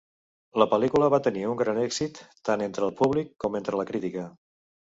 La pel·lícula va tenir un gran èxit, tant entre el públic com entre la crítica.